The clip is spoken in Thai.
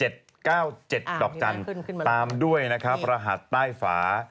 ดอกจันทร์ตามด้วยนะครับรหัสใต้ฝา